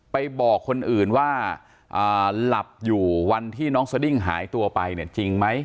ไปบอกคนอื่นว่าหลับอยู่วันที่น้องสดิ้งหายตัวไปเนี่ยจริงไหม